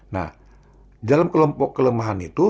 nah dalam kelompok kelemahan itu